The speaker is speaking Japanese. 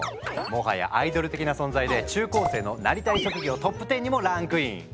もはやアイドル的な存在で中高生のなりたい職業トップ１０にもランクイン！